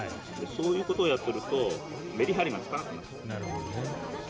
そういうことをやっているとメリハリがつかなくなっちゃう。